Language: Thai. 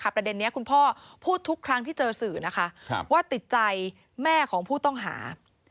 ประเด็นนี้คุณพ่อพูดทุกครั้งที่เจอสื่อนะคะว่าติดใจแม่ของผู้ต้องหา